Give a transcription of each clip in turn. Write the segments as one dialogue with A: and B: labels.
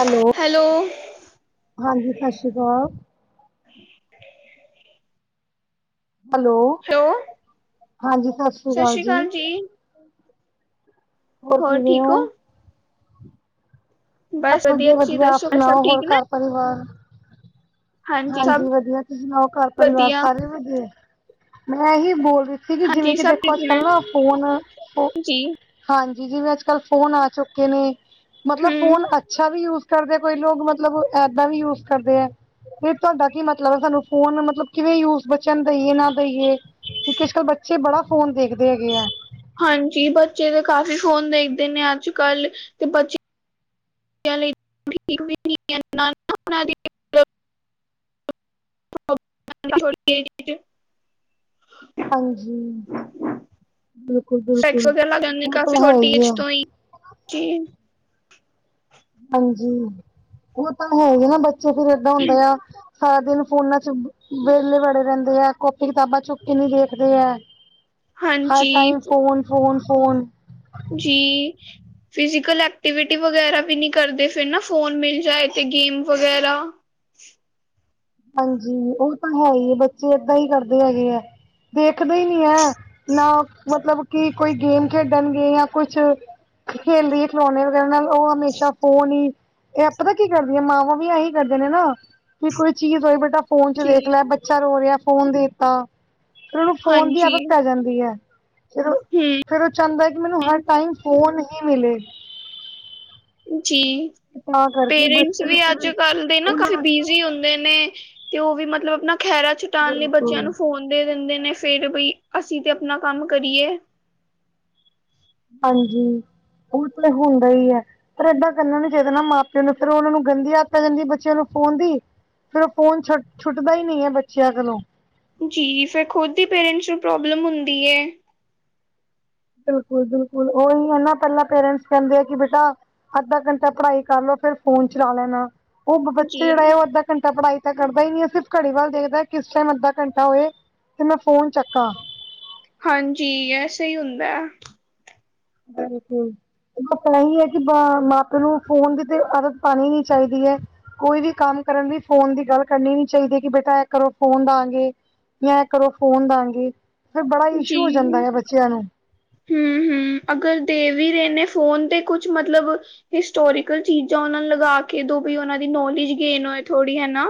A: Hello, ਹਾਂਜੀ ਸਤਿ ਸ਼੍ਰੀ ਅਕਾਲ। ਹੈਲੋ,
B: ਹੈਲੋ
A: ਹਾਂਜੀ ਸਤਿ ਸ਼੍ਰੀ ਅਕਾਲ ਜੀ। ਹੋਰ ਕਿਵੇਂ ਹੋ? ਬਸ ਵਧੀਆ
B: ਤੁਸੀਂ
A: ਵਧੀਆ ਆਪ
B: ਦੱਸੋ ਘਰ ਸਭ
A: ਸੁਣਾਓ, ਹੋਰ
B: ਠੀਕ ਨੇ
A: ਘਰ ਪਰਿਵਾਰ ਹਾਂਜੀ ਵਧੀਆ ਤੁਸੀਂ ਸੁਣਾਓ ਘਰ ਪਰਿਵਾਰ
B: ਵਧੀਆ
A: ਸਾਰੇ ਵਧੀਆ ਏ। ਮੈਂ ਏ ਹੀ ਬੋਲ ਰਹੀ ਸੀਗੀ ਜਿਵੇਂ
B: ਹਾਂਜੀ
A: ਕਿ
B: ਸਭ
A: ਦੇਖੋ
B: ਠੀਕ
A: ਅੱਜ
B: ਨੇ
A: ਕੱਲ ਨਾ ਫੋਨ ਫੋ
B: ਜੀ
A: ਹਾਂਜੀ ਜਿਵੇਂ ਅੱਜ ਕੱਲ੍ਹ ਫੋਨ ਆ ਚੁੱਕੇ ਨੇ, ਮਤਲਬ
B: ਹਮ
A: ਫੋਨ ਅੱਛਾ ਵੀ ਯੂਜ ਕਰਦੇ ਪਏ ਲੋਕ ਮਤਲਬ ਏਦਾਂ ਵੀ ਯੂਜ ਕਰਦੇ ਏ। ਫੇਰ ਤੁਹਾਡਾ ਕੀ ਮਤਲਬ ਸਾਨੂੰ ਫੋਨ ਮਤਲਬ ਕਿਵੇਂ ਯੂਜ, ਬੱਚਿਆਂ ਨੂੰ ਦਈਏ ਨਾ ਦਈਏ ਕਿਉਂਕਿ ਅੱਜ ਕਲ ਬੱਚੇ ਬੜਾ ਫੋਨ ਦੇਖਦੇ ਹੈਗੇ ਹੈ।
B: ਹਾਂਜੀ ਬੱਚੇ ਤਾਂ ਕਾਫ਼ੀ ਫੋਨ ਦੇਖਦੇ ਨੇ ਅੱਜ ਕੱਲ੍ਹ ਤੇ ਬੱਚੇ ਠੀਕ ਵੀ ਨੀ ਹੈ ਨਾ ਏਨਾ ਉਹਨਾਂ ਲਈ ਮਤਲਬ [unintelligible]
A: ਹਾਂਜੀ, ਬਿਲਕੁਲ-
B: ਸੈਕਸ
A: ਬਿਲਕੁਲ,
B: ਵਗੈਰਾ ਲੱਗ ਜਾਂਦੇ
A: ਉ
B: ਕਾਫੀ
A: ਤੇ ਹੈ
B: ਛੋਟੀ
A: ਹੀ
B: ਏਜ
A: ਆ।
B: ਤੋਂ ਜੀ
A: ਹਾਂਜੀ ਉਹ ਤਾਂ ਹੈ ਹੀ ਨਾ, ਬੱਚੇ ਫਿਰ ਏਦਾਂ ਹੁੰਦਾ ਆ ਸਾਰਾ ਦਿਨ ਫੋਨਾਂ ਚ ਵਹਲੇ ਵੜੇ ਰਹਿੰਦੇ ਹੈ। ਕਾਪੀ ਕਿਤਾਬਾਂ ਚੁੱਕ ਕੇ ਨੀ ਦੇਖਦੇ ਹੈ। ਹਰ
B: ਹਾਂਜੀ
A: ਟਾਈਮ ਫੋਨ, ਫੋਨ, ਫੋਨ
B: ਜੀ। ਫਿਜ਼ੀਕਲ ਐਕਟੀਵਿਟੀ ਵਗੈਰਾ ਵੀ ਨੀ ਕਰਦੇ ਫੇਰ ਨਾ ਫ਼ੋਨ ਮਿਲ ਜਾਏ ਤੇ ਗੇਮ ਵਗੈਰਾ
A: ਹਾਂਜੀ, ਔਹ ਤਾਂ ਹੈ ਹੀ ਹੈ। ਬੱਚੇ ਏਦਾਂ ਹੀ ਕਰਦੇ ਹੈਗੇ ਹੈ। ਦੇਖਦੇ ਨਹੀਂ ਹੈ ਨਾ ਮਤਲਬ ਕਿ ਕੋਈ ਗੇਮ ਖੇਡਣਗੇ ਜਾਂ ਕੁਛ ਖੇਲਦੀ ਹੈ ਖਲੋਣੇ ਵਗੈਰਾ ਨਾਲ ਉਹ ਹਮੇਸ਼ਾ ਫੋਨ ਹੀ ਇਹ ਆਪ ਪਤਾ ਕੀ ਕਰਦੀਆਂ ਮਾਵਾਂ ਵੀ ਐਹੀ ਕਰਦੇ ਨੇ ਨਾ ਚਲ ਬੇਟਾ ਫੋਨ ਚ
B: ਜੀ
A: ਦੇਖ ਲੈ ਬੱਚਾ ਰੋ ਰਿਹਾ ਫੋਨ ਦੇ ਦਿੱਤਾ ਫਿਰ ਉਹਨੂੰ ਫੋਨ ਦੀ
B: ਹਾਂਜੀ,
A: ਆਦਤ ਪੈ ਜਾਂਦੀ ਐ
B: ਹੂੰ
A: ਫਿਰ ਉਹ ਚਾਹੁੰਦਾ ਹੈ ਕਿ ਮੈਨੂੰ ਹਰ ਟਾਈਮ ਫੋਨ ਹੀ ਮਿਲੇ
B: ਜੀ,
A: ਤਾਂ ਕਰਕੇ
B: ਪੇਰੈਂਟਸ
A: ਬੱਚੇ
B: ਵੀ
A: ਨੂੰ
B: ਅੱਜ
A: ਫਿਰ
B: ਕੱਲ ਦੇ ਨਾ ਕਾਫੀ
A: ਉਹਨਾਂ
B: ਬਿਜੀ ਹੁੰਦੇ ਨੇ ਨੇ, ਤੇ ਉਹ ਵੀ ਮਤਲਬ ਆਪਣਾ ਖਹਿਰਾ ਛਡਾਉਣ ਲਈ ਬੱਚਿਆਂ
A: ਬਿਲਕੁਲ
B: ਨੂੰ ਫੋਨ ਦੇ ਦਿੰਦੇ ਨੇ ਫੇਰ ਬਈ ਅਸੀਂ ਤੇ ਆਪਣਾ ਕੰਮ ਕਰੀਏ
A: ਹਾਂਜੀ, ਉਸ ਵੇਲੇ ਹੁੰਦਾ ਹੀ ਹੈ ਫਿਰ ਇਦਾਂ ਕਰਨਾ ਨਹੀ ਚਾਹੀਦਾ ਨਾ ਮਾਂ ਪਿਓ ਨੂੰ ਫੇਰ ਉਹਨਾ ਨੂੰ ਗੰਦੀ ਆਦਤ ਆ ਪੈ ਜਾਂਦੀ ਬੱਚਿਆਂ ਨੂੰ ਫ਼ੋਨ ਦੀ ਫੇਰ ਉਹ ਫੋਨ ਛੁੱ ਛੁੱਟਦਾ ਹੀ ਨਹੀਂ ਹੈ ਬੱਚਿਆਂ ਕੋਲੋਂ
B: ਜੀ, ਫੇਰ ਖੁਦ ਹੀ ਪੇਰੈਂਟਸ ਨੂੰ ਪ੍ਰੋਬਲਮ ਹੁੰਦੀ ਹੈ
A: ਬਿਲਕੁਲ -ਬਿਲਕੁਲ ਉਹੀ ਹੈ ਨਾ ਪਹਿਲਾਂ ਪੇਰੈਂਟਸ ਕਹਿੰਦੇ ਆ ਕਿ ਬੇਟਾ ਅੱਧਾ ਘੰਟਾ ਪੜ੍ਹਾਈ ਕਰ ਲੋ ਫੇਰ ਫੋਨ ਚਲਾ ਲੈਣਾ, ਉਹ ਬੱਚੇ
B: ਜੀ,
A: ਜਿਹੜਾ ਹੈ ਉਹ ਅੱਧਾ ਘੰਟਾ ਪੜਾਈ ਤਾਂ ਕਰਦਾ ਹੀ ਨਹੀਂ ਸਿਰਫ ਘੜੀ ਵੱਲ ਦੇਖਦਾ ਕਿਸ ਟਾਈਮ ਅੱਧਾ ਘੰਟਾ ਹੋਏ ਤੇ ਮੈਂ ਫੋਨ ਚੱਕਾਂ
B: ਹਾਂਜੀ, ਇਹ ਸਹੀ ਹੁੰਦਾ ਹੈ
A: ਹਾਂਜੀ ਗੱਲ ਤਾਂ ਇਹੀ ਹੈ ਕਿ ਮਾ ਪਿਉ ਨੂੰ ਫੋਨ ਦੀ ਤੇ ਆਦਤ ਪਾਉਣੀ ਨੀ ਚਾਹੀਦੀ ਹੈ ਕੋਈ ਵੀ ਕੰਮ ਕਰਨ ਦੀ ਫੋਨ ਦੀ ਗੱਲ ਕਰਨੀ ਨੀ ਚਾਹੀਦੀ ਕਿ ਬੇਟਾ ਇਹ ਕਰੋ ਫੋਨ ਦੇਵਾਂਗੇ ਮੈਂ ਕਦੋਂ ਫੋਨ ਦਵਾਂਗੇ ਫਿਰ ਬੜਾ ਇਸ਼ੂ ਹੋ ਜਾਂਦਾ ਆ ਬੱਚਿਆਂ ਨੂੰ
B: ਹਮ -ਹਮ ਅਗਰ ਦੇ ਵੀ ਰਹੇ ਨੇ ਫੋਨ ਤੇ ਕੁਛ ਮਤਲਬ ਹਿਸਟੋਰੀਕਲ ਚੀਜ਼ਾਂ ਉਹ ਨੂੰ ਲਗਾ ਕੇ ਦੋ ਵੀ ਉਹਨਾਂ ਦੀ ਨੋਲੇਜ ਗੇਨ ਹੋਏ ਥੋੜ੍ਹੀ ਹਨਾ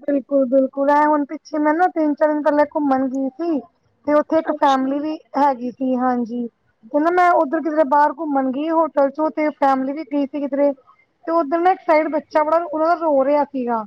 A: ਬਿਲਕੁਲ- ਬਿਲਕੁਲ ਐਂ ਹੁਣ ਪਿੱਛੇ ਮੈਂ ਨਾ ਤਿੰਨ ਚਾਰ ਦਿਨ ਪਹਿਲੇ ਘੁੰਮਣ ਗਈ ਸੀ ਤੇ ਉਥੇ ਇੱਕ
B: ਅੱਛਾ,
A: ਫੈਮਲੀ ਵੀ ਹੈਗੀ ਸੀ, ਹਾਂਜੀ ਤੇ ਨਾ ਮੈਂ ਉੱਧਰ ਕਿਧਰੇ ਬਾਹਰ ਘੁੰਮਣ ਗਈ ਹੋਟਲ ਚ ਤੇ ਫੈਮਿਲੀ ਵੀ ਗਈ ਸੀ ਕਿਧਰੇ ਤੇ ਉੱਧਰ ਨਾ ਇੱਕ ਸਾਈਡ ਬੱਚਾ ਬੜਾ ਉਹਨਾਂ ਦਾ ਰੋ ਰਿਹਾ ਸੀਗਾ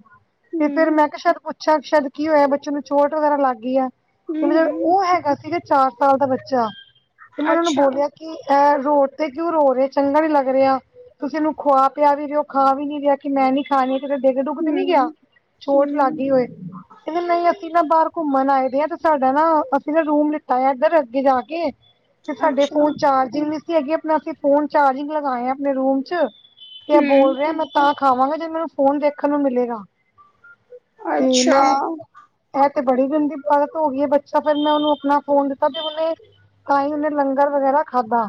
A: ਤੇ ਫੇਰ
B: ਹੂੰ,
A: ਮੈਂ ਕਿਹਾ ਸ਼ਾਇਦ ਪੁੱਛਿਆ ਸ਼ਾਇਦ ਕੀ ਹੋਇਆ ਬੱਚੇ ਨੂੰ ਚੋਟ ਵਗੈਰਾ ਲੱਗ ਗਈ ਹੈ। ਤੇ ਮ
B: ਹੂੰ-ਹੂੰ।
A: ਉਹ ਹੈਗਾ ਸੀਗਾ ਚਾਰ ਸਾਲ ਦਾ ਬੱਚਾ, ਤੇ ਮੈਂ ਉਹਨਾਂ ਨੂੰ
B: ਅੱਛਾ,
A: ਬੋਲਿਆ ਕਿ ਅ ਰੋਡ ਤੇ ਕਿਉਂ ਰੋ ਰਹੇ ਚੰਗਾ ਨੀ ਲੱਗ ਰਿਹਾ ਤੁਸੀਂ ਇਹਨੂੰ ਖੁਆ ਪਿਆ ਵੀ ਰਹੇ ਹੋ ਖਾ ਵੀ ਨੀ ਰਿਹਾ ਕਿ ਮੈਂ ਨੀ ਖਾਣੀ ਕਿਤੇ ਡਿੱਗ ਡੁੱਗ ਤੇ ਨੀ ਗਿਆ
B: ਹੂੰ,
A: ਚੋਟ ਲੱਗ ਗਈ ਹੋਏ
B: ਹੂੰ,
A: ਕਹਿੰਦੇ ਨਹੀਂ ਅਸੀਂ ਨਾ ਬਾਹਰ ਘੁੰਮਣ ਆਏ ਦੇ ਹਾਂ ਤੇ ਸਾਡਾ ਨਾ ਅਸੀਂ ਨਾ ਰੂਮ ਲਿੱਤਾ ਆ ਇੱਧਰ, ਅੱਗੇ ਜਾ ਕੇ ਤੇ ਸਾਡੇ
B: ਅੱਛਾ,
A: ਫੋਨ ਚਾਰਜਿੰਗ ਨਹੀਂ ਸੀ ਹੈਗੇ ਆਪਣਾ ਅਸੀਂ ਫੋਨ ਚਾਰਜਿੰਗ ਲਗਾਏ ਆ ਆਪਣੇ ਰੂਮ ਚ ਤੇ
B: ਹੂੰ,
A: ਬੋਲ ਰਿਹਾ ਮੈਂ ਤਾਂ ਖਾਵਾਂਗਾ ਜੇ ਮੈਨੂੰ ਫੋਨ ਦੇਖਣ ਨੂੰ ਮਿਲੇਗਾ ਤੇ
B: ਅੱਛਾ।
A: ਮੈਂ ਇਹ ਤੇ ਬੜੀ ਗੰਦੀ ਆਦਤ ਹੋ ਗਈ ਹੈ ਬੱਚਾ ਫਿਰ ਮੈਂ ਉਹਨੂੰ ਆਪਣਾ ਫੋਨ ਦਿੱਤਾ ਤੇ ਉਹਨੇ ਤਾਂ ਹੀ ਉਹਨੇ ਲੰਗਰ ਵਗੈਰਾ ਖਾਧਾ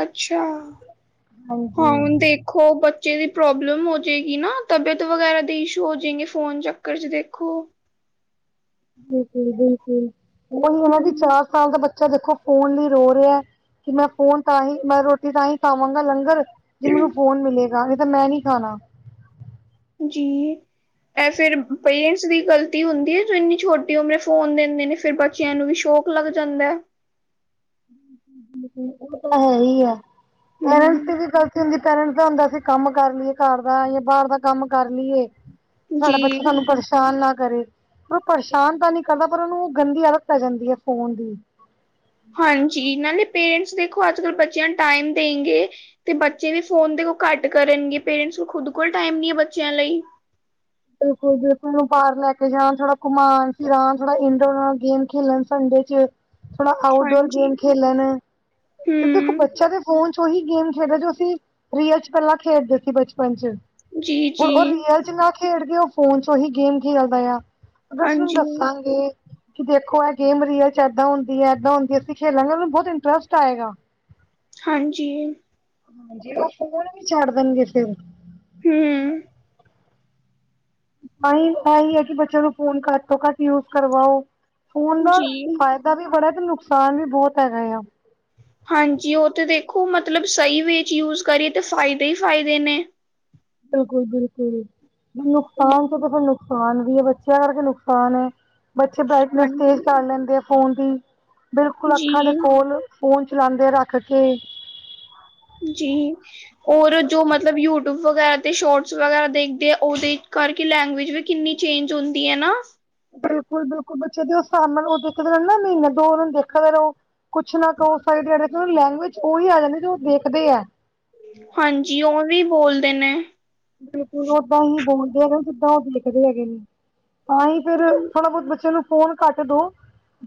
B: ਅੱਛਾ,
A: ਹਾਂਜੀ,
B: ਹੁਣ ਓਹ ਬੱਚੇ ਦੀ ਪ੍ਰੋਬਲਮ ਹੋ ਜਾਏਗੀ ਨਾ ਤਬੀਅਤ ਵਗੈਰਾ ਦੇ ਇਸ਼ੂ ਹੋ ਜਾਏਗੀ ਫੋਨ ਚੱਕਰ ਚ ਦੇਖੋ
A: ਬਿਲਕੁਲ ਬਿਲਕੁਲ ਉਹੀ ਇਹਨਾਂ ਦੀ
B: ਹੂੰ,
A: ਚਾਰ ਸਾਲ ਦਾ ਬੱਚਾ ਦੇਖੋ ਫੋਨ ਲਈ ਰੋ ਰਿਹਾ ਕਿ ਮੈਂ ਫੋਨ ਤਾਂ ਹੀ ਮੈਂ ਰੋਟੀ ਤਾਂ ਹੀ ਖਵਾਂਗਾ ਲੰਗਰ ਜੇ ਮੈਨੂੰ ਫੋਨ ਮਿਲੇਗਾ ਨਹੀਂ ਤਾਂ ਮੈਂ ਨੀ ਖਾਣਾ
B: ਜੀ ਇਹ ਫਿਰ ਪੇਰੈਂਟਸ ਦੀ ਗਲਤੀ ਹੁੰਦੀ ਹੈ ਜੋ ਇੰਨੀ ਛੋਟੀ ਉਮਰੇ ਫੋਨ ਦਿੰਦੇ ਨੇ ਫਿਰ ਬੱਚਿਆਂ ਨੂੰ ਵੀ ਸ਼ੌਕ ਲੱਗ ਜਾਂਦਾ
A: ਉਹ ਤਾਂ ਹੈ ਹੀ ਐ ਪੇਰੈਂਟਸ
B: ਹੂੰ,
A: ਦੀ ਵੀ ਗਲਤੀ ਹੁੰਦੀ ਪੇਰੈਂਟਸ ਦਾ ਹੁੰਦਾ ਅਸੀਂ ਕੰਮ ਕਰ ਲਈਏ ਘਰ ਦਾ ਜਾਂ ਬਾਹਰ ਦਾ ਕੰਮ ਕਰ ਲਈਏ, ਸਾਡਾ
B: ਜੀ।
A: ਬੱਚਾ ਸਾਨੂੰ ਪਰੇਸ਼ਾਨ ਨਾ ਕਰੇ ਪਰ ਪਰੇਸ਼ਾਨ ਤਾਂ ਨੀ ਕਰਦਾ, ਪਰ ਓਹਨੂੰ ਗੰਦੀ ਆਦਤ ਪੈ ਜਾਂਦੀ ਏ ਫੋਨ ਦੀ।
B: ਹਾਂਜੀ, ਨਾਲੇ ਪੇਰੇਂਟਸ ਦੇਖੋ ਅੱਜ-ਕੱਲ ਬੱਚਿਆਂ ਨੂੰ ਟਾਈਮ ਦੇਂਗੇ ਤੇ ਬੱਚੇ ਵੀ ਫੋਨ ਦੇਖੋ ਘੱਟ ਕਰਨਗੇ। ਪੇਰੇਂਟਸ ਕੋਲ ਖੁਦ ਕੋਲ ਟਾਈਮ ਨਹੀ ਏ ਬੱਚਿਆਂ ਲਈ।
A: ਉਹ ਖੁਦ ਨੂੰ ਬਾਹਰ ਲੈ ਕੇ ਜਾਣ ਥੋੜਾ ਘੁਮਾਣ-ਫਿਰਾਂਣ, ਥੋੜਾ ਇੰਡੋਰ ਗੇਮ ਖੇਲਣ ਸੰਡੇ ਚ। ਥੋੜਾ ਆਉਡੋਰ
B: ਹਾਂਜੀ
A: ਗੇਮ ਖੇਲਣ ਤੇ ਦੇਖੋ
B: ਹੂੰ
A: ਬੱਚਾ ਤੇ ਫੋਨ ਚ ਓਹੀ ਗੇਮ ਖੇਡਦੈ, ਜੋ ਅਸੀਂ ਰੀਅਲ ਚ ਪੈਲਾਂ ਖੇਡਦੇ ਸੀ ਬਚਪਨ ਚ।
B: ਜੀ
A: ਹੁਣ
B: ਜੀ
A: ਓ ਰੀਅਲ ਚ ਮੈ ਖੇਡਕੇ ਉਹ ਫੋਨ ਚ ਓਹੀ ਗੇਮ ਖੇਲਦਿਆਂ। ਦਸ ਮਿੰਟ ਚ
B: ਹਾਂਜੀ
A: ਦੱਸਾਂਗੇ। ਕਿ ਦੇਖੋ ਏ ਗੇਮ ਰੀਅਲ ਚ ਏਦਾਂ ਹੁੰਦੀ ਏ, ਏਦਾਂ ਹੁੰਦੀ ਏ ਅਸੀ ਖੇਲਾਂਗੇ ਓਨੁ ਬੋਤ ਇੰਟਰਸਟ ਆਏਗਾ।
B: ਹਾਂਜੀ।
A: ਹਾਂਜੀ, ਓਹ ਫੋਨ ਵੀ ਛੱਡ ਦੇਨਗੇ ਫੇਰ।
B: ਹੂੰ।
A: ਆਹੀ ਏ ਕਿ ਬੱਚੇਆਂ ਨੁ ਫੋਨ ਘੱਟ ਤੋਂ ਘੱਟ ਯੂਜ ਕਰਵਾਓ ਫੋਨ ਦਾ
B: ਜੀ
A: ਫਾਇ ਫੈਦਾ ਵੀ ਬੜਾ, ਤੇ ਨੁਕਸਾਨ ਵੀ ਬੋਤ ਹੈਗਾ ਆ।
B: ਹਾਂਜੀ, ਉਹ ਤਾਂ ਦੇਖੋ ਮਤਲਬ ਸਹੀ ਵਿਚ ਯੂਜ ਕਰੀਏ ਤਾਂ ਫਾਇਦੇ ਈ ਫਾਇਦੇ ਨੇ।
A: ਬਿਲਕੁਲ-ਬਿਲਕੁਲ, ਨੁਕਸਾਨ ਤਾਂ
B: ਹੂੰ
A: ਦੇਖੋ ਨੁਕਸਾਨ ਨੁਕਸਾਨ ਵੀ ਏ ਬੱਚਿਆਂ ਕਰਕੇ ਨੁਕਸਾਨ ਏ ਬੱਚੇ ਬਰਾਈਟਨੈਸ ਤੇਜ
B: ਹਾਂਜੀ
A: ਕਰ ਲੈਂਦੇ ਏ ਫੋਨ ਦੀ। ਬਿਲਕੁਲ, ਅੱਖਾਂ ਦੇ
B: ਜੀ
A: ਕੋਲ ਫੋਨ ਚਲਾਂਦੇ ਰੱਖ ਕੇ
B: ਜੀ। ਔਰ ਜੋ ਮਤਲਬ ਯੂਟਿਊਬ ਵਗੈਰਾ, ਤੇ ਸ਼ੋਟਸ ਵਗੈਰਾ ਦੇਖਦੇ ਏ ਓਦੇ ਕਰਕੇ ਲੈਂਗਵੇਜ ਵੀ ਕਿੰਨੀ ਚੇਂਜ ਹੋਂਦੀ ਹੈ ਨਾ?
A: ਬਿਲਕੁਲ-ਬਿਲਕੁਲ, ਬੱਚੇ ਦੇ ਹਿਸਾਬ ਨਾਲ ਉਹ ਦੇਖਦੇ ਨਾ ਮਹੀਨੇ ਦੋ ਉਹਨਾਂ ਨੂੰ ਦੇਖਦਾ ਰਹੋ। ਕੁਛ ਨਾ ਕੋ ਸਾਰੀ ਦੇਆੜੀ ਲੈਂਗੁਏਜ ਓਹੀ ਆ ਜਾਂਦੀ ਏ ਜੋ ਦੇਖਦੇ ਏ।
B: ਹਾਂਜੀ, ਐਂਵੇਂ ਬੋਲਦੇ ਨੇ।
A: ਬਿਲਕੁਲ, ਓਦਾਂ ਹੀ ਬੋਲਦੇ ਆ ਨਾ ਜਿੱਦਾਂ ਉਹ ਲਿਖਦੇ ਹੈਗੇ ਨੀ। ਤਾਂਹੀ ਫੇਰ ਥੋੜਾ-ਬੋਤ ਬੱਚੇਆਂ ਨੂੰ ਫ਼ੋਨ ਘੱਟ ਦੋ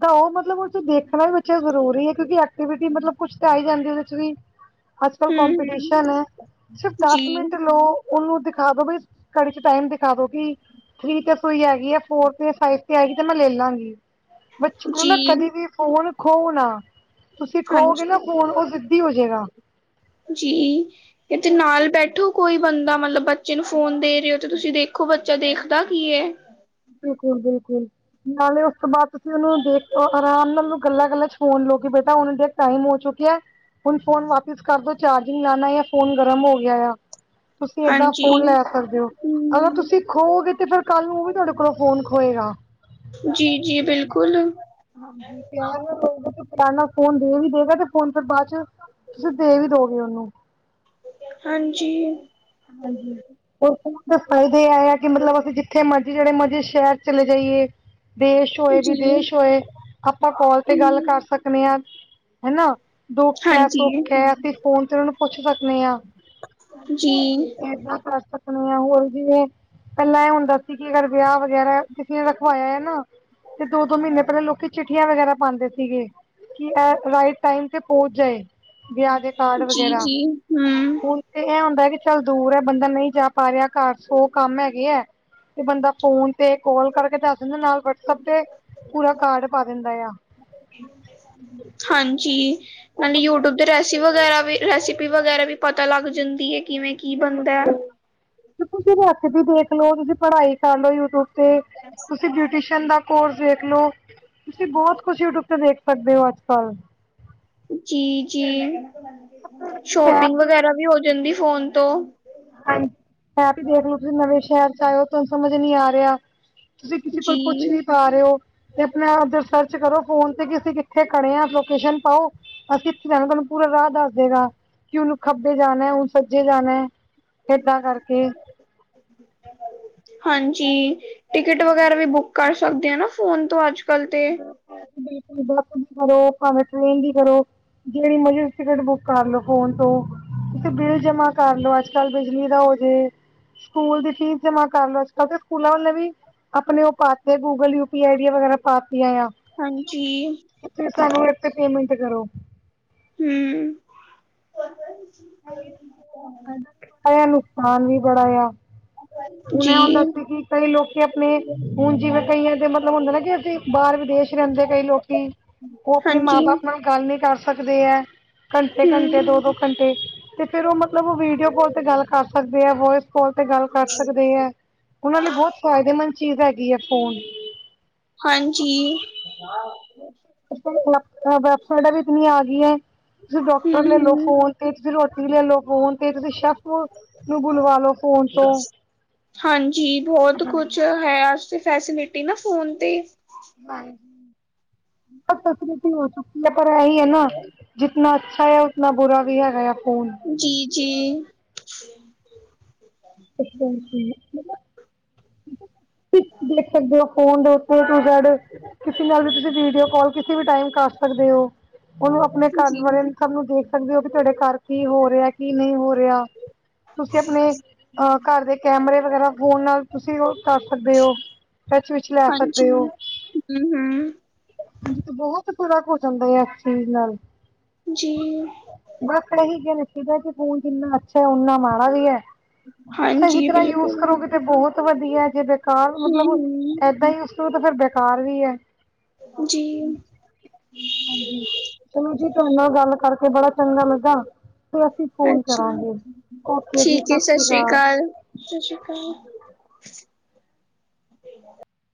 A: ਦਓ ਮਤਲਬ ਉਹ ਚ ਦੇਖਣਾ ਵੀ ਜ਼ਰੂਰੀ ਏ, ਕਿਉਂਕਿ ਐਕਟੀਵਿਟੀ ਮਲਬ ਕੁਛ ਤਾਂ ਆਈ ਜਾਂਦੀ ਓਦੇ ਚ ਵੀ। ਅੱਜ-ਕੱਲ
B: ਹੂੰ-ਹੂੰ
A: ਕੋਂਪਟੀਸ਼ਨ ਏ ਸਿਰਫ ਦਸ ਮਿੰਟ ਲੋ ਉਨੁ ਦਿਖਾ ਦੋ ਬਈ ਘੜੀ ਚ ਟਾਈਮ ਦਿਖਾ ਦੋ ਕਿ ਥਰੀ ਤੇ ਸੁਈ ਹੈਗੀ ਏ ਫੋਰ ਤੇ ਫਾਇਫ ਤੇ ਆਗੀ ਤੇ ਮੈਂ ਲੇ ਲਾਂਗੀ। ਬੱਚੇ ਕੋਲੋਂ ਨਾ
B: ਜੀ-ਜੀ
A: ਕਦੇ ਵੀ ਫੋਨ ਖੋਨਾ, ਤੁਸੀਂ ਖੋਗੇ
B: ਹਾਂਜੀ
A: ਨਾ ਫੋਨ ਉਹ ਜਿ ਦੀ ਹੋਜੇਗਾ।
B: ਜੀ, ਏਹਦੇ ਨਾਲ ਬੈਠੋ। ਕੋਈ ਬੰਦਾ ਮਤਲਬ ਬੱਚੇ ਨੂੰ ਫੋਨ ਦੇਰੇ ਉਹ, ਤੇ ਤੁਸੀਂ ਦੇਖੋ ਬੱਚਾ ਦੇਖਦਾ ਕੀ ਐਂ?
A: ਬਿਲਕੁਲ-ਬਿਲਕੁਲ, ਨਾਲੇ ਓਸ ਤੋਂ ਬਾਦ ਤੁਸੀਂ ਓਨੁ ਦੇਖੋ, ਆਰਾਮ ਨਾਲ ਉਹਨੂੰ ਗੱਲਾਂ-ਗੱਲਾਂ ਚ ਫੋਨ ਲੋ ਕੇ ਬੇਟਾ ਹੁਨ ਦੇਖ ਟਾਈਮ ਹੋ ਚੁੱਕੇਆ ਹੁਨ ਫੋਨ ਵਾਪਿਸ ਕਰ ਦੋ ਚਾਰਜਿੰਗ ਲਾਨਾ ਯਾ ਫੋਨ ਗਰਮ ਹੋ ਗੇਆ ਆ। ਤੁਸੀ ਏਦਾਂ
B: ਹਾਂਜੀ
A: ਫੋਨ ਲੈ ਸਕਦੇ ਓ, ਅਗਰ
B: ਹੂੰ
A: ਤੁਸੀਂ ਖੋੋਗੇ ਤੇ ਫੇਰ ਕਾੱਲ ਨੂੰ ਓ ਵੀ ਤੁਹਾਡੇ ਕੋਲੋਂ ਫੋਨ ਖੋਏਗਾ।
B: ਜੀ-ਜੀ, ਬਿਲਕੁਲ।
A: ਹਾਂਜੀ, ਪੇਆਰ ਨਾਲ ਲੋਗੇ, ਤੇ ਪੇਆਰ ਨਾਲ ਫੋਨ ਦੇ ਵੀ ਦੇਗਾ ਤੇ ਫੋਨ ਫੇਰ ਬਾਦ ਚ ਤੁਸੀ ਦੇਵੀ ਦੋਗੇ ਓਹਨੁ।
B: ਹਾਂਜੀ।
A: ਹਾਂਜੀ। ਔਰ ਫੋਨ ਦੇ ਫਾਇਦੇ ਏ ਆ ਕਿ ਮਤਲਬ ਅਸੀ ਜਿੱਥੇ ਮਰਜੀ ਜੜੇ ਮਰਜੀ ਸ਼ੈਰ ਚ ਚਲੇ ਜਾਈਏ। ਦੇਸ਼
B: ਜੀ
A: ਹੋਏ-ਵਿਦੇਸ਼ ਹੋਏ। ਆਪਾਂ ਕੋਲ ਤੇ ਗਲ
B: ਹੂੰ
A: ਕਰ ਸਕਨੇ ਆਂ ਹੈਨਾ। ਦੁੱਖ ਹੈ-
B: ਹਾਂਜੀ
A: ਸੁੱਖ ਹੈ, ਅਸੀ ਫੋਨ ਤੇ ਓਹਨਾਨੂ ਪੁੱਛ ਸਕਨੇ ਆਂ।
B: ਹਾਂਜੀ।
A: ਏਦਾਂ ਕਰ ਸਕਨੇ ਆਂ ਹੋਰ ਜਿਵੇਂ ਪਹਿਲਾਂ ਇਹ ਹੂੰਦਾ ਸੀ ਕਿ ਅਗਰ ਵਿਆਹ ਵਗੈਰਾ ਕਿਸੇ ਨੇ ਰਖਵਾਇਆ ਏਨਾ ਤੇ ਦੋ-ਦੋ ਮਹੀਨੇ ਪਹਿਲੇ ਲੋਕੀ ਚਿੱਠੀਆਂ ਵਗੈਰਾ ਪਾਂਦੇ ਸੀਗੇ। ਕਿ ਇਹ ਰਾਈਟ ਟਾਈਮ ਤੇ ਪਹੁੰਚ ਜਾਏ, ਵਿਆਹ ਦੇ ਕਾਰਡ ਵਗੈਰਾ
B: ਜੀ-ਜੀ ਹੂੰ
A: ਹੁਣ ਤੇ ਇਹ ਹੁੰਦਾ ਕਿ ਚੱਲ ਦੂਰ ਐ, ਬੰਦਾ ਨਹੀਂ ਜਾ ਪਾ ਰਿਹਾ। ਘਰ ਸੋ ਕੰਮ ਹੈਗੇ ਐ। ਤੇ ਬੰਦਾ ਫੋਨ ਤੇ ਕਾਲ ਕਰਕੇ ਦੱਸ ਦਿੰਦਾ, ਨਾਲ ਵਟਸਪ ਤੇ ਪੂਰਾ ਕਾਰਡ ਪਾ ਦਿੰਦਾ ਆ।
B: ਹਾਂਜੀ,
A: ਉਹ
B: ਨਾਲੇ
A: ਬੰਦੇ
B: ਯੂਟਿਊਬ ਤੇ
A: ਨੂੰ
B: ਰੈਸ ਰਸੀ ਵਗੈਰਾ ਵੀ, ਰੈਸਪੀ ਵਗੈਰਾ ਵੀ ਪਤਾ ਲੱਗ ਜਾਂਦੀ ਏ, ਕਿਵੇਂ ਕੀ ਬਣਦੈ।
A: ਤੁਸੀ ਦੇ ਹਥ ਵੀ ਦੇਖ ਲਓ, ਤੁਸੀ ਦੀ ਪੜ੍ਹਾਈ ਕਰ ਰਹੇ ਹੋ ਯੂਟਿਊਬ ਤੇ, ਤੁਸੀਂ ਬਿਊਟੀਸ਼ਨ ਦਾ ਕੋਰਸ ਦੇੇਖ ਲਓ। ਤੁਸੀਂ ਬਹੁਤ ਕੁਛ ਯੂਟਿਊਬ ਤੇ ਵੇਖ ਸਕਦੇ ਹੋ ਅੱਜ ਕੱਲ੍ਹ।
B: ਜੀ-ਜੀ, ਸ਼ੋਪਿੰਗ
A: ਮੈਪ
B: ਵਗੈਰਾ ਵੀ ਹੋ ਜਾਂਦੀ ਫੋਨ ਤੋਂ।
A: ਹਾਂਜੀ। ਆਪ ਹੀ ਦੇਖਲੋ, ਤੁਸੀਂ ਨਵੇਂ ਸ਼ਹਿਰ ਚ ਆਏ ਹੋ ਤੁਹਾਨੂੰ ਸਮਝ ਨੀ ਆ ਰਿਹਾ। ਤੁਸੀਂ ਕਿਸੇ ਕੋਲੋ
B: ਜੀ
A: ਪੁੱਛ ਨਹੀਂ ਪਾ ਰਹੇ ਓ। ਤੇ ਆਪਣੇ ਆਪ ਚ ਸਰਚ ਕਰੋ ਫੋਨ ਤੇ ਕਿ ਅਸੀਂ ਕਿੱਥੇ ਖੜੇ ਹਾਂ, ਲੋਕੇਸ਼ਨ ਪਾਓ। ਅਸੀਂ [unintelligible] ਤੁਹਾਨੂੰ ਪੂਰਾ ਰਾਹ ਦੱਸਦਏਗਾ ਕਿ ਹੁਣ ਖੱਬੇ ਜਾਨੈ, ਹੁਣ ਸੱਜੇ ਜਾਨੈ। ਇੱਦਾਂ ਕਰਕੇ।
B: ਹਾਂਜੀ, ਟਿਕਟ ਵਗੈਰਾ ਵੀ ਬੁੱਕ ਕਰ ਸਕਦੇ ਆਂ ਨਾ ਫੋਨ ਤੋਂ ਅੱਜ ਕੱਲ ਤੇ।
A: ਬਿਲਕੁਲ, ਬੱਸ ਦੀ ਕਰੋ ਭਾਵੇਂ ਟ੍ਰੇਨ ਦੀ ਕਰੋ। ਜਿਹੜੀ ਮਰਜੀ ਟਿਕਟ ਬੁੱਕ ਕਰ ਲੋ, ਫੋਨ ਤੋਂ। ਤੇ ਬਿੱਲ ਜਮਾਂ ਕਰ ਲਓ ਅੱਜ ਕੱਲ੍ਹ, ਬਿਜਲੀ ਦਾ ਹੋ ਜੇ ਸਕੂਲ ਦੀ ਫੀਸ ਜਮ੍ਹਾਂ ਕਰ ਲੋ। ਅੱਜ ਕੱਲ੍ਹ ਤੇ ਸਕੂਲਾਂ ਵਾਲ਼ੇ ਵੀ। ਆਪਣੇ ਉਹ ਪਾਤੇ, ਗੂਗਲ ਯੂਪੀ ਆਈ ਡੀ ਵਗੈਰਾ ਪਾਤੀਆਂ ਆ।
B: ਹਾਂਜੀ।
A: ਇੱਥੇ ਤੁਹਾਨੂੰ ਇਥੇ ਪੇਮੈਂਟ ਕਰੋ।
B: ਹਮ।
A: ਏਹੀ ਆ ਨਾ ਫ਼ੋਨ ਦਾ ਫਾਇਦਾ ਵੀ ਬੜਾ ਆ, ਨੁਕਸਾਨ ਵੀ ਬੜਾ ਆ। ਹੁਣ ਇਹ ਹੁੰਦਾ
B: ਜੀ
A: ਸੀ ਕਿ ਕਈ ਲੋਕੀ ਅਪਨੇ ਹੁਣ ਜਿਵੇਂ ਕਈਆ ਦੇ ਮਤਲਬ ਹੁੰਦੇ ਨਾ ਕਿ ਅਸੀਂ ਬਾਹਰ ਵਿਦੇਸ਼ ਰਹਿੰਦੇ, ਕਈ ਲੋਕੀ। ਉਹ ਅਪਨੇ ਮਾਂ-
B: ਹਾਂਜੀ
A: ਬਾਪ ਨਾਲ ਗੱਲ ਨੀ ਕਰ ਸਕਦੇ ਐ, ਘੰਟੇ-ਘੰਟੇ,
B: ਹਮ
A: ਦੋ-ਦੋ ਘੰਟੇ, ਤੇ ਫਿਰ ਉਹ ਮਤਲਬ ਉਹ ਵੀਡੀਓ ਕਾਲ ਤੇ ਗੱਲ ਕਰ ਸਕਦੇ ਐ, ਵੋਇਸ ਕਾਲ ਤੇ ਗੱਲ। ਕਰ ਸਕਦੇ ਐਂ, ਉਹਨਾਂ ਲਈ ਬਹੁਤ ਫਾਇਦੇਮੰਦ ਚੀਜ਼ ਹੈਗੀ ਹੈ ਫੋਨ।
B: ਹਾਂਜੀ।
A: ਵੈਬਸਾਈਟਾਂ ਵੀ ਕਿੰਨੀਆ ਆ ਗਈਆਂ। ਤੁਸੀਂ ਡਾਕਟਰ ਲੈ ਲੋ,
B: ਹਮ
A: ਫੋਨ ਤੇ ਤੁਸੀਂ ਰੋਟੀ ਲੈ ਲਓ, ਫ਼ੋਨ ਤੇ ਤੁਸੀਂ ਸੈਫ ਨੂੰ ਬੁਲਵਾ ਲੋੋ ਫੋਨ ਤੋਂ।
B: ਹਾਂਜੀ ਬਹੁਤ ਕੁਛ ਹੈ ਅੱਜ ਤੇ ਫੈਸਿਲਿਟੀ ਨਾ ਫੋਨ ਤੇ।
A: ਹਾਂਜੀ [inaudible] ਹੋ ਚੁੱਕੀ ਹੈ, ਪਰ ਇਹੀ ਹੈ ਨਾ, ਜਿੱਨਾ ਅੱਛਾ ਹੈ ਉਤਨਾ ਬੁਰਾ ਵੀ ਹੈਗਾ ਆ ਫੋਨ।
B: ਜੀ-ਜੀ।
A: ਅੱਛਾ-ਅੱਛਾ ਮਤਲਬ ਮਤਲੱਬ ਤੁਸੀਂ ਦੇਖ ਸਕਦੇ ਹੋ। ਫੋਨ ਦੇ [unintelligible] ਕਿਸੇ ਨਾਲ ਵੀ ਤੁਸੀਂ ਵੀਡੀਓ ਕੋਲ ਕਿਸੇ, ਫੇਰ ਟਾਈਮ ਕਰ ਸਕਦੇ ਹੋ। ਉਹਨੂੰ ਅਪ ਅਪਣੇ ਘਰ
B: ਜੀ
A: ਬਾਰੇ ਵੀ ਸੱਭ ਨੂੰ ਦੇਖ ਸਕਦੇ ਹੋ ਵੀ ਤੁਹਾਡੇ ਘਰ ਕੀ ਹੋ ਰਿਹਾ, ਕੀ ਨਹੀਂ ਹੋ ਰਿਹਾ। ਤੁਸੀਂ ਆਪਣੇ ਅ ਘਰ ਦੇ ਕੈਮਰੇ ਵਗੈਰਾ ਫੋਨ ਨਾਲ ਤੁਸੀਂ ਉਹ ਕਰ ਸਕਦੇ ਹੋ। ਟੱਚ ਵਿੱਚ ਲੈ ਸਕਦੇ ਹੋ।
B: ਹੰ-ਹੰ
A: ਹਾਂਜੀ ਤੇ ਬਹੁਤ ਫਰਕ ਹੋ ਜਾਂਦਾ ਏ, ਇਸ ਚੀਜ਼ ਨਾਲ।
B: ਜੀ
A: ਮਤਲੱਬ ਫੇਰ ਏਹੀ ਕਹਿ ਮੁਕਦਾ ਫੋਨ ਜਿੰਨਾ ਅੱਛਾ ਉੱਨਾਂ ਮਾੜਾ ਵੀ ਐ। ਸਹੀ
B: ਹਾਂਜੀ
A: ਤਰ੍ਹਾਂ ਯੂਜ
B: ਬਿਲਕੁਲ
A: ਕਰੋਗੇ ਤੇ ਬਹੁਤ ਬਹੁਤ ਵਧੀਆ, ਜੇ ਬੇਕਾਰ ਮਤਲਬ
B: ਹੂੰ-ਹੂੰ
A: ਇਦਾਂ ਹੀ ਯੂਜ਼ ਕਰੋ ਤੇ ਫਿਰ ਬੇਕਾਰ ਵੀ ਹੈ।
B: ਜੀ।
A: ਹਾਂਜੀ ਤੇ ਮੈਨੂੰ ਜੀ ਤੁਹਾਡੇ ਨਾਲ ਗੱਲ ਕਰਕੇ ਬੜਾ ਚੰਗਾ ਲੱਗਾ। ਤੇ ਅਸੀਂ ਫ਼ੋਨ
B: ਅੱਛਾ
A: ਕਰਾਂਗੇ। ਓਕੇ ਜੀ, ਸਤਿ ਸ਼੍ਰੀ ਅਕਾਲ।
B: ਸਤਿ ਸ਼੍ਰੀ ਅਕਾਲ।